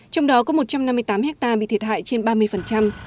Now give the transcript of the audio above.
trong đó có một trăm năm mươi tám hectare bị thiệt hại trên ba mươi